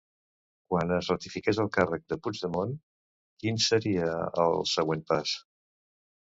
Quan es ratifiqués el càrrec de Puigdemont, quin seria el següent pas?